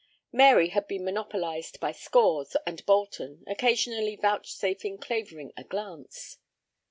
Mary had been monopolized by Scores and Bolton, occasionally vouchsafing Clavering a glance.